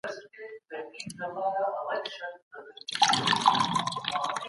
د پښتو د بډاینې لپاره باید کار وسو.